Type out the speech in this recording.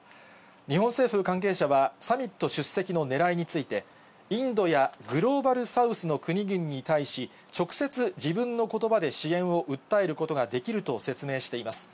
日本政府関係者は、サミット出席のねらいについて、インドやグローバルサウスの国々に対し、直接自分のことばで支援を訴えることができると説明しています。